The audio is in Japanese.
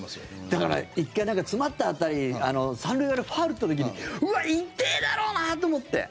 だから、１回詰まった当たり３塁側にファウル打った時にうわっ、痛えだろうなと思って。